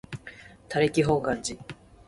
他力本願寺